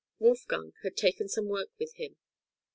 Wolfgang had taken some work with him.